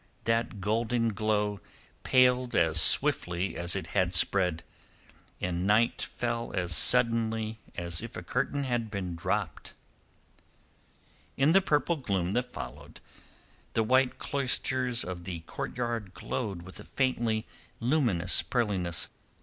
That golden glow paled as swiftly as it had spread, and night fell as suddenly as if a curtain had been dropped. In the purple gloom that followed the white cloisters of the courtyard glowed with a faintly luminous pearliness.